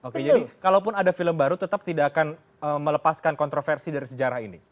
oke jadi kalaupun ada film baru tetap tidak akan melepaskan kontroversi dari sejarah ini